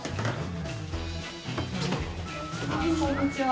こんにちは。